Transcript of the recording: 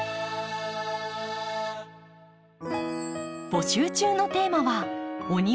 募集中のテーマは「お庭にステキ！